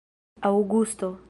aŭgusto